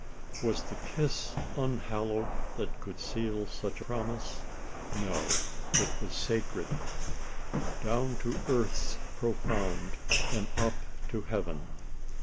Was the kiss unhallowed that could seal such promise? No it was sacred Down to Earth's profound, And up to Heaven!